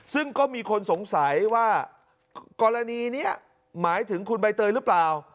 ซึ่งก็มีคนสงสัยว่ากรณีนี้หมายถึงคุณใบเตยหรือเปล่า